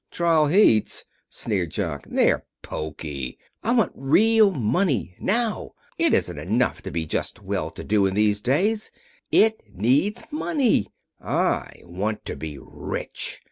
"Trial heats!" sneered Jock. "They're poky. I want real money. Now! It isn't enough to be just well to do in these days. It needs money. I want to be rich!